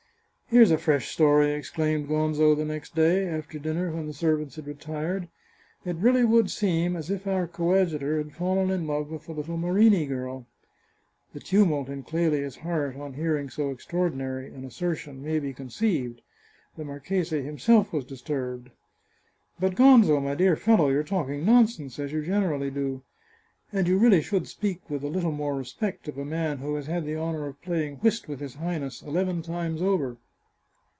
" Here's a fresh story," exclaimed Gonzo the next day, after dinner, when the servants had retired. " It really would seem as if our coadjutor had fallen in love with the little Marini girl." The tumult in Clelia's heart, on hearing so extraordinary an assertion, may be conceived ; the marchese himself was disturbed. " But, Gonzo, my dear fellow, you are talking nonsense, as you generally do. And you really should speak with a little more respect of a man who has had the honour of play ing whist with his Highness eleven times over."